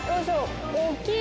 大きい！